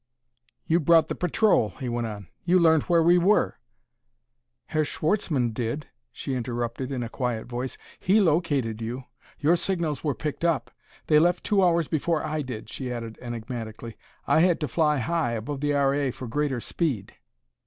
"You brought the patrol," he went on; "you learned where we were " "Herr Schwartzmann did," she interrupted in a quiet voice. "He located you; your signals were picked up.... They left two hours before I did," she added enigmatically. "I had to fly high, above the R. A. for greater speed."